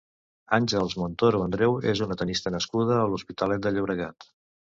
Àngels Montolio Andreu és una tennista nascuda a l'Hospitalet de Llobregat.